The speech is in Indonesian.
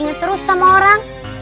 jangan kaget sama orangny